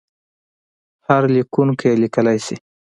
هر لیکونکی یې لیکلای شي.